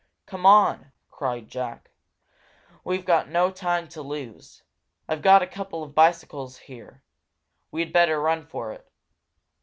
"Come on!" cried Jack. "We've got no time to lose. I've got a couple of bicycles here. We'd better run for it."